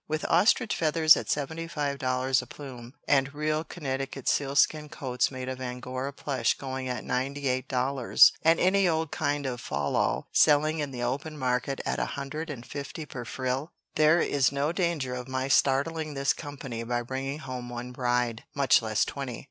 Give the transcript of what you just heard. "With ostrich feathers at seventy five dollars a plume, and real Connecticut sealskin coats made of angora plush going at ninety eight dollars, and any old kind of a falal selling in the open market at a hundred and fifty per frill, there is no danger of my startling this company by bringing home one bride, much less twenty.